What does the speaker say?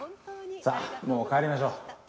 さっもう帰りましょう。